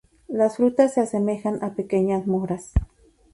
Las frutas se asemejan a pequeñas moras.